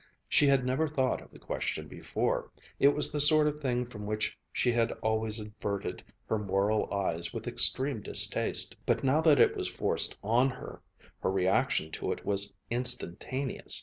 She had never thought of the question before. It was the sort of thing from which she had always averted her moral eyes with extreme distaste; but now that it was forced on her, her reaction to it was instantaneous.